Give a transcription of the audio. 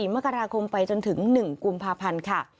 มกราคมไปจนถึง๑กุมภาพันธ์ค่ะ